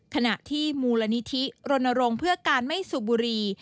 ขณะที่มูลนิธิรณรงค์เพื่อการไม่สูบบุรี